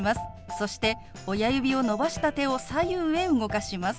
そして親指を伸ばした手を左右へ動かします。